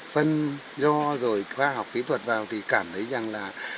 phân do rồi khoa học kỹ thuật vào thì cảm thấy rằng là